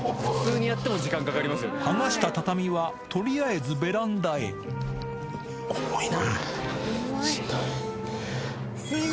剥がした畳はとりあえずベラ重いな。